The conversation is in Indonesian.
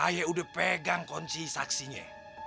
ayo udah pegang kunci saksinya